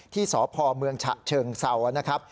ที่สพเมืองฉะเชิงเศร้านะครับ